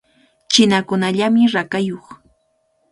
Chinakunallamy rakayuq.